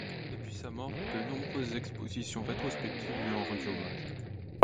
Depuis sa mort, de nombreuses expositions rétrospectives lui ont rendu hommage.